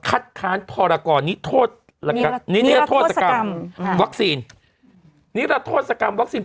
คัดค้านพอรากรนี้ทศคำตอบวัคซีน